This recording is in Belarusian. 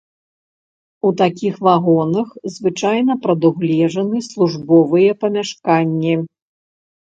У такіх вагонах звычайна прадугледжаны службовыя памяшканні.